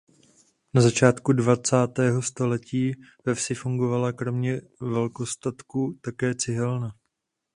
Na začátku dvacátého století ve vsi fungovala kromě velkostatku také cihelna.